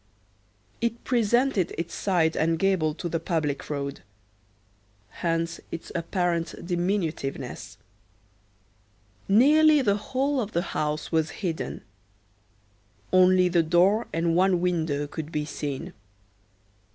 It presented its side and gable to the public road; hence its apparent diminutiveness. Nearly the whole of the house was hidden. Only the door and one window could be seen.